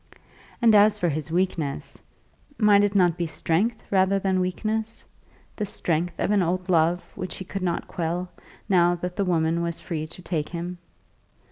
And as for his weakness; might it not be strength, rather than weakness; the strength of an old love which he could not quell, now that the woman was free to take him?